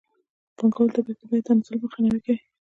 پانګوال د ګټې د بیې د تنزل مخنیوی کوي